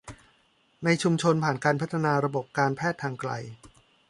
ในชุมชนผ่านการพัฒนาระบบการแพทย์ทางไกล